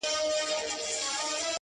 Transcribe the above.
چي پر قام دي خوب راغلی په منتر دی!!!!!